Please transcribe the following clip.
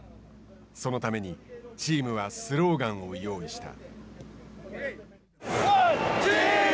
そのために、チームはスローガンを用意した。